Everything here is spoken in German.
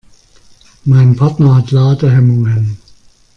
Mein Partner hat Ladehemmungen.